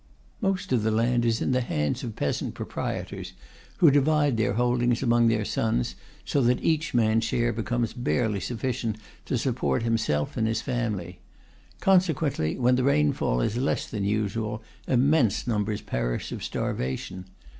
Most of the land is in the hands of peasant proprietors, who divide their holdings among their sons, so that each man's share becomes barely sufficient to support himself and his family. Consequently, when the rainfall is less than usual, immense numbers perish of starvation.